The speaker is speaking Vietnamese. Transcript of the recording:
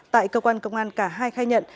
tại cơ quan công an cả hai khai nhận